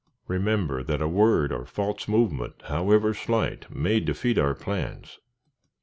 Remember that a word or false movement, however slight, may defeat our plans.